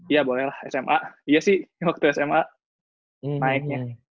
ya boleh lah sma iya sih waktu sma naiknya